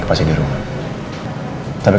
kalian aku mau cepat